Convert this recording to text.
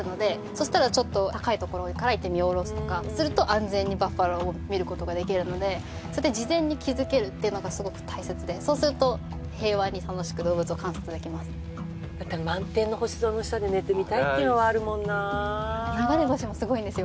したらちょっと高い所から見下ろすとかすると安全にバッファローを見ることができるのでそうやって事前に気づけるっていうのがすごく大切でそうすると平和に楽しく動物を観察できますっていうのはあるもんな流れ星もすごいんですよ